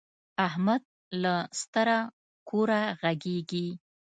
احمد له ستره کوره غږيږي.